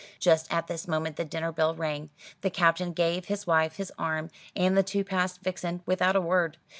Just at this moment the dinner bell rang. The Captain gave his wife his arm, and the two passed Vixen without a word.